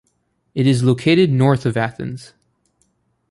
It is located north of Athens.